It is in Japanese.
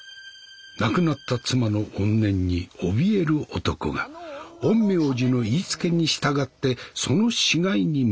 亡くなった妻の怨念におびえる男が陰陽師の言いつけに従ってその死骸にまたがる。